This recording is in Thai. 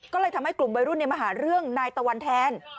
ก็เลยทำให้กลุ่มวัยรุ่นมาหาเรื่องนายตะวันแทน